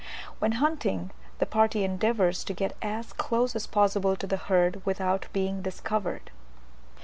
When hunting, the party endeavours to get as close as possible to the herd without being discovered.